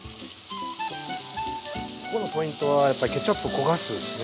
ここのポイントはやっぱりケチャップを焦がすんですね。